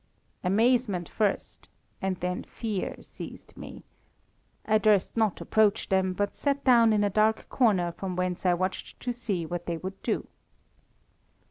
Amazement first, and then fear, seized me. I durst not approach them, but sat down in a dark corner, from whence I watched to see what they would do.